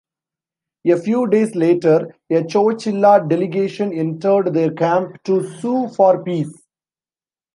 A few days later, a Chowchilla delegation entered their camp to sue for peace.